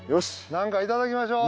何かいただきましょう。